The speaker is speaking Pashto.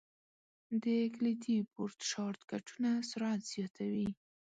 د کلیدي بورډ شارټ کټونه سرعت زیاتوي.